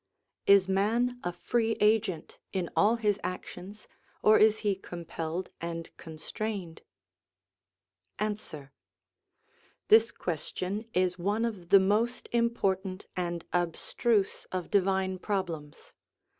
Is man a free agent in all his actions, or is he compelled and constrained ? Answer. This question is one of the most important and abstruse of divine problems.